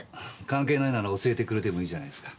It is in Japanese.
関係ないなら教えてくれてもいいじゃないすか。